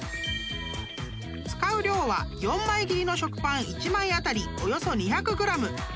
［使う量は４枚切りの食パン１枚当たりおよそ２００ｇ］